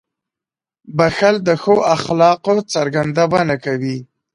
• بښل د ښو اخلاقو څرګندونه کوي.